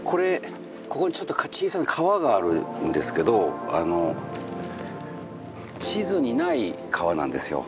ここにちょっと小さな川があるんですけど地図にない川なんですよ。